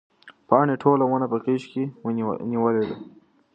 پاڼې ټوله ونه په غېږ کې نیولې ده.